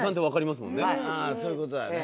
そういう事だよね。